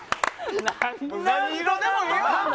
何色でもええやん！